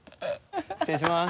失礼します。